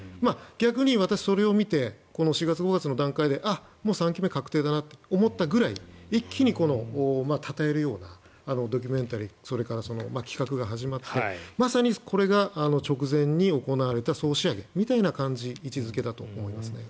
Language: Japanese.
逆に私、それを見て４月、５月の段階で３期目確定だなと思ったぐらい一気に、たたえるようなドキュメンタリーそれから企画が始まってまさにこれが直前に行われた総仕上げみたいな位置付けだと思いますね。